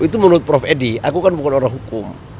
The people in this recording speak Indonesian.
itu menurut prof edi aku kan bukan orang hukum